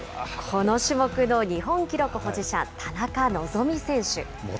この種目の日本記録保持者、田中希実選手。